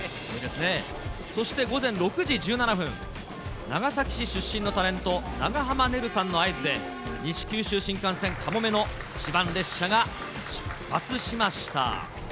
そして午前６時１７分、長崎市出身のタレント、長濱ねるさんの合図で、西九州新幹線かもめの１番列車が出発しました。